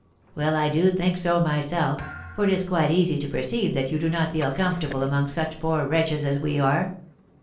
"Well, I do think so myself; for it is quite easy to perceive that you do not feel comfortable among such poor wretches as we are."